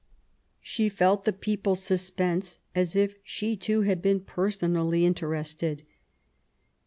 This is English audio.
She felt the people's suspense as if she, too, had been personally interested.